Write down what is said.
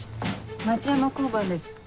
町山交番です。